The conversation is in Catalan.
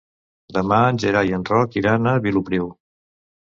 Demà en Gerai i en Roc iran a Vilopriu.